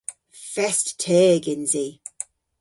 Fest teg yns i.